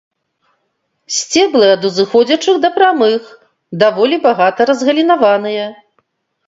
Сцеблы ад узыходзячых да прамых, даволі багата разгалінаваныя.